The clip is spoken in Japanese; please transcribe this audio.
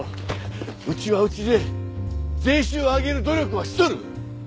うちはうちで税収を上げる努力をしとる！